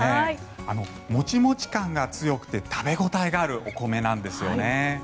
モチモチ感が強くて食べ応えがあるお米なんですよね。